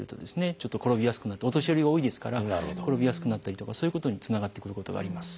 ちょっと転びやすくなってお年寄りが多いですから転びやすくなったりとかそういうことにつながってくることがあります。